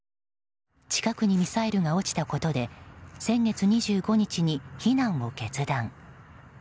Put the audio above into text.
近くにミサイルが落ちたことで先月２５日に避難を決断。